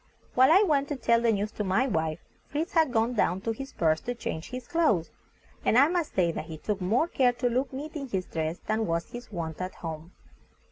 While I went to tell the news to my wife, Fritz had gone down to his berth to change his clothes, and I must say that he took more care to look neat in his dress than was his wont at home.